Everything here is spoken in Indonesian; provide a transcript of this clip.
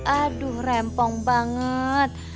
aduh rempong banget